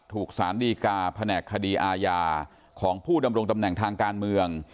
สารดีกาแผนกคดีอาญาของผู้ดำรงตำแหน่งทางการเมือง